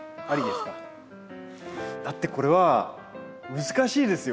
だってこれは難しいですよ。